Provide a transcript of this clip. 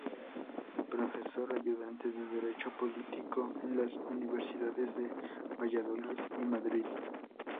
Profesor Ayudante de Derecho Político en las Universidades de Valladolid y Madrid.